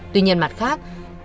tuy nhiên mặt khác